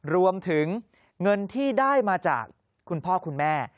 รวมถึงเงินที่ได้มาจากคุณพ่อคุณแม่